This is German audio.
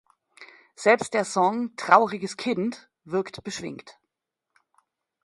Selbst der Song "Trauriges Kind" wirkt beschwingt.